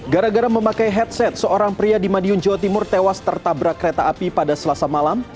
gara gara memakai headset seorang pria di madiun jawa timur tewas tertabrak kereta api pada selasa malam